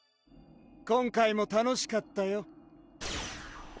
今回も楽しかったよ